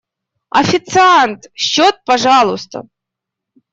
Официант! Счёт, пожалуйста.